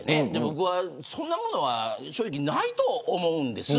僕はそんなものは正直ないと思うんです。